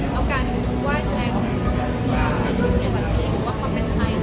แล้วการรู้สึกว่าชัดใดของคนไทยแล้วการรู้สึกว่าเขาเป็นไทย